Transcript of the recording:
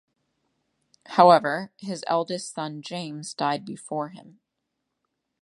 However, his eldest son James died before him.